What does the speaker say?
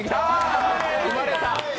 生まれた！